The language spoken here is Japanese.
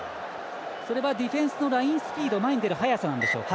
ディフェンスのラインスピード前に出る速さなんでしょうか。